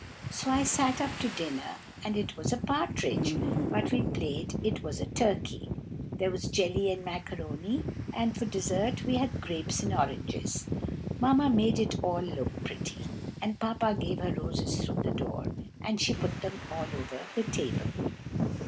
So I sat up to dinner, and it was a partridge, but we played it was a turkey. There was jelly and macaroni, and for desert we had grapes and oranges. Mamma made it all look pretty, and Papa gave her roses through the door, and she put them all over the table.